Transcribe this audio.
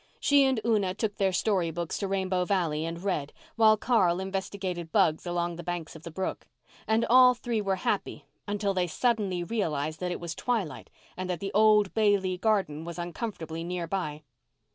She and Una took their story books to Rainbow Valley and read, while Carl investigated bugs along the banks of the brook, and all three were happy until they suddenly realized that it was twilight and that the old Bailey garden was uncomfortably near by.